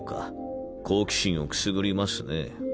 好奇心をくすぐりますねぇ。